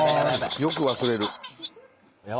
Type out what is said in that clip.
よく忘れる。